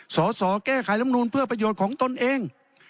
สอสอแก้ไขลำนูนเพื่อประโยชน์ของตนเอง